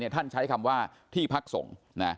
ท่านใช้คำว่าที่พักส่ง